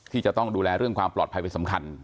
ที่จะต้องดูแลเรื่องความปลอดภัยเป็นสำคัญ